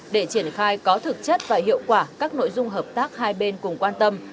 để triển khai có thực chất và hiệu quả các nội dung hợp tác hai bên cùng quan tâm